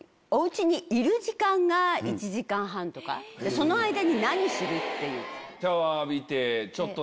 その間に何する？っていう。